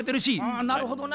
あなるほどな。